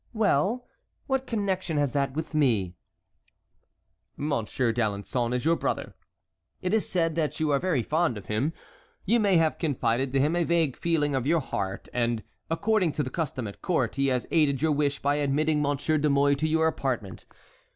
"Well, what connection has that with me?" "Monsieur d'Alençon is your brother. It is said that you are very fond of him. You may have confided to him a vague feeling of your heart, and, according to the custom at court, he has aided your wish by admitting Monsieur de Mouy to your apartment.